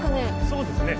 そうですね